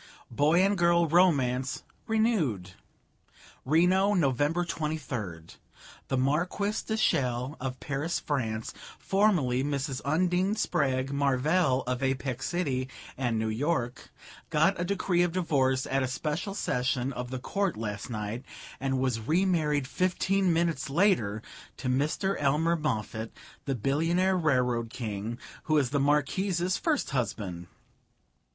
Boy and girl romance renewed. "'Reno, November 23d. The Marquise de Chelles, of Paris, France, formerly Mrs. Undine Spragg Marvell, of Apex City and New York, got a decree of divorce at a special session of the Court last night, and was remarried fifteen minutes later to Mr. Elmer Moffatt, the billionaire Railroad King, who was the Marquise's first husband.